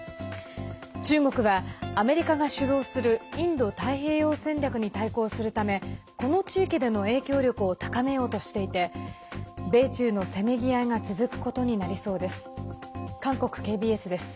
中国は、アメリカが主導するインド太平洋戦略に対抗するためこの地域での影響力を高めようとしていて米中のせめぎ合いが続くことになりそうです。